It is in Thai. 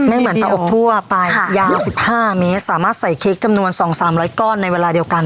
แม่งเหมือนเตาอบทั่วไปค่ะยาวสิบห้าเมตรสามารถใส่เค้กจำนวนสองสามร้อยก้อนในเวลาเดียวกัน